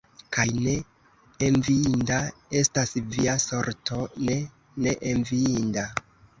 Kaj ne enviinda estas via sorto, ne, ne enviinda!